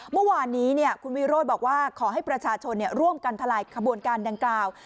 เมื่อวานนี้คุณวิโรธบอกว่าขอให้ประชาชนร่วมกันทลายขบวนการดังกล่าว